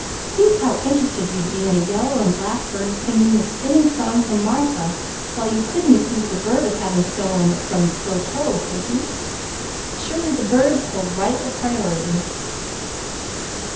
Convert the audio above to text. Think how interested you'd be in a yellow and black bird singing the Spinning Song from Martha, while you couldn't accuse the bird of having stolen it from Flotow, could you? Surely the bird holds right of priority!"